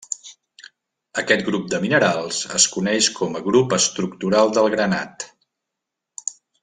Aquest grup de minerals es coneix com a grup estructural del granat.